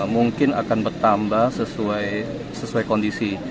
mungkin akan bertambah sesuai kondisi